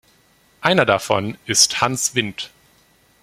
Einer davon ist Hans Wind.